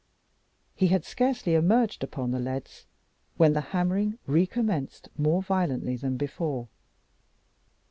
He had scarcely emerged upon the leads when the hammering recommenced more violently than before.